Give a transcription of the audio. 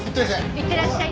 いってらっしゃい。